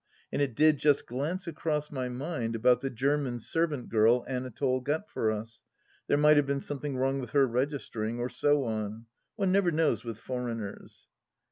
And it did just glance across my mind about the German servant girl Anatole got for us— there might have been something wrong with her registering, or so on. One never knows with foreigners.